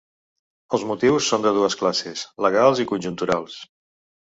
Els motius són de dues classes, legals i conjunturals.